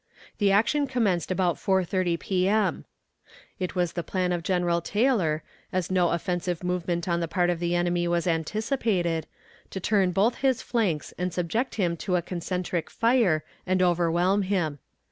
The action commenced about 4.30 P.M. It was the plan of General Taylor, as no offensive movement on the part of the enemy was anticipated, to turn both his flanks and subject him to a concentric fire and overwhelm him.